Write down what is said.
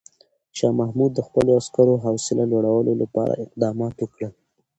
شاه محمود د خپلو عسکرو حوصله لوړولو لپاره اقدامات وکړل.